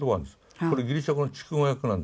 これギリシャ語の逐語訳なんですよ。